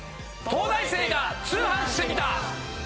『東大生が通販してみた！！』。